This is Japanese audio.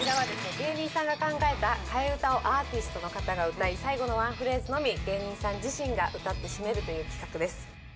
芸人さんが考えた替え歌をアーティストの方が歌い最後のワンフレーズのみ芸人さん自身が歌って締めるという企画です